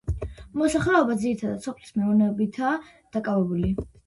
მოსახლეობა ძირითადად სოფლის მეურნეობითაა დაკავებული.